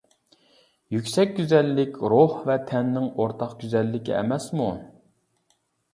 يۈكسەك گۈزەللىك روھ ۋە تەننىڭ ئورتاق گۈزەللىكى ئەمەسمۇ؟ !